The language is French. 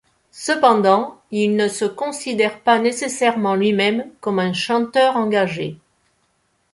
Cependant, il ne se considère pas nécessairement lui-même comme un chanteur engagé.